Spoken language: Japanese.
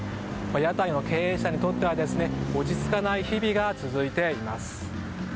屋台の経営者にとっては落ち着かない日々が続いています。